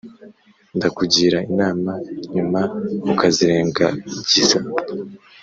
ndakugira inama nyuma ukazirengagiza